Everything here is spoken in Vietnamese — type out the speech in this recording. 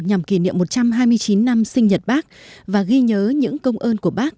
nhằm kỷ niệm một trăm hai mươi chín năm sinh nhật bác và ghi nhớ những công ơn của bác